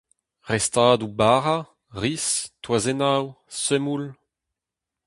Restadoù bara, riz, toazennoù, semoul.